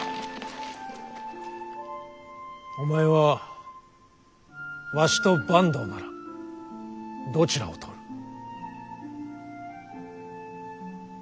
お前はわしと坂東ならどちらを取る？